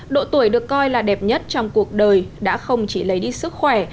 độ tuổi được coi là đẹp nhất trong cuộc đời đã không chỉ lấy đi sức khỏe